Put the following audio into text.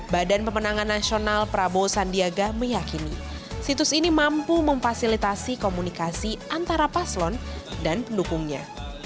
badan pemenangan nasional prabowo sandiaga meyakini situs ini mampu memfasilitasi komunikasi antara paslon dan pendukungnya